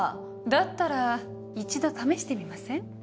だったら一度試してみません？